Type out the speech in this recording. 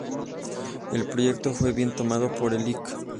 El proyecto fue bien tomado por el Lic.